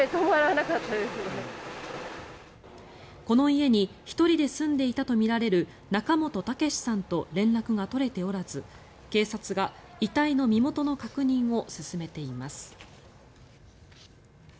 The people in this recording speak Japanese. この家に１人で住んでいたとみられる中元健詞さんと連絡が取れておらず警察が遺体の身元の確認を進めています。